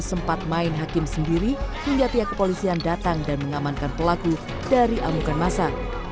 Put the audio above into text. sempat main hakim sendiri hingga pihak kepolisian datang dan mengamankan pelaku dari amukan masa